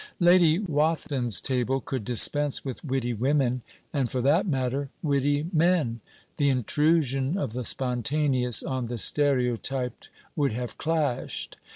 Lady Wathin's table could dispense with witty women, and, for that matter, witty men. The intrusion of the spontaneous on the stereotyped would have clashed.